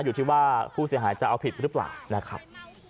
อยู่ที่ว่าผู้เสียหายจะเอาผิดหรือเปล่านะครับ